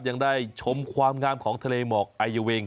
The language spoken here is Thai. ยังได้ชมความงามของทะเลหมอกไอเวง